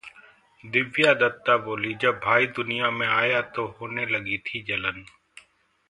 दिव्या दत्ता बोलीं- जब भाई दुनिया में आया तो होने लगी थी जलन